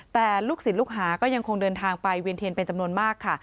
แต่ลูกศิษย์ลูกหาก็ยังคงเดินทางไปเวียนเทียนเป็นจำนวนมากค่ะ